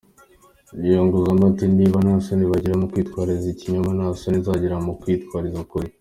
Yungamo ati’’Niba nta soni bagira zo gukwirakwiza ikinyoma, ntasoni nzagira mu gukwirakwiza ukuli.